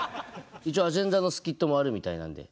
一応アジェンダのスキットもあるみたいなんで。